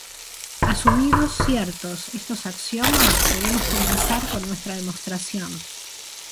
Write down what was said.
Asumidos ciertos estos axiomas podemos comenzar con nuestra demostración.